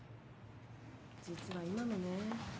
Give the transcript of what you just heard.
実は今もね。